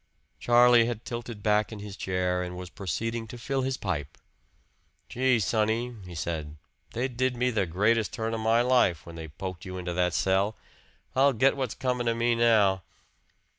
Charlie had tilted back in his chair and was proceeding to fill his pipe. "Gee, sonny," he said, "they did me the greatest turn of my life when they poked you into that cell. I'll get what's coming to me now!"